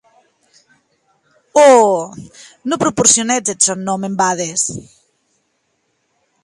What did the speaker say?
Ò!, non prononciètz eth sòn nòm en bades!